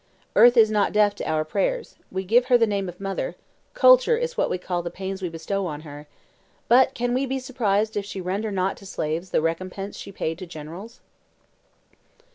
Earth is not deaf to our prayers; we give her the name of mother; culture is what we call the pains we bestow on her ... but can we be surprised if she render not to slaves the recompense she paid to generals?"